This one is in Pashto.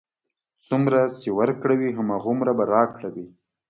څومره چې ورکړه وي، هماغومره به راکړه وي.